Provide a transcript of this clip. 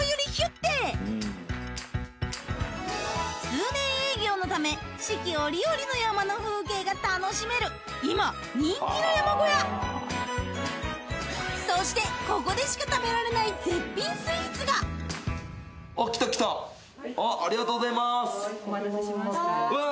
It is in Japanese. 通年営業のため四季折々の山の風景が楽しめる今人気の山小屋そしてここでしか食べられないあっ来た来たありがとうございますお待たせしましたうわ